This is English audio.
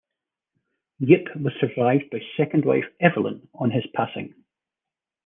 Yip was survived by second wife Evelyn on his passing.